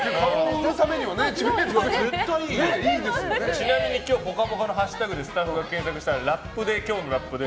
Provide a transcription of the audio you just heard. ちなみに今日「ぽかぽか」のハッシュタグでスタッフが検索したら今日のラップで